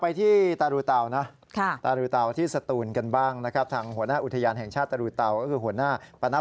ไปที่ตารูตาวนะ